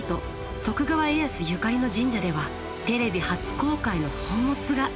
徳川家康ゆかりの神社ではテレビ初公開の宝物が。